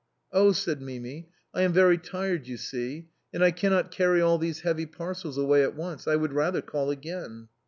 " Oh !" said Mimi, " I am very tired, you see, and I cannot carry all these heavy parcels away at once. I would rather call again."